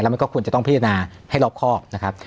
มันก็ควรจะต้องพิจารณาให้รอบครอบนะครับ